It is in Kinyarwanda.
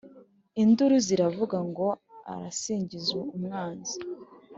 Induru ziravuga, Ngo arasingiza «umwanzi»;